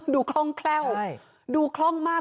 คล่องแคล่วดูคล่องมาก